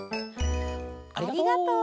ありがとう。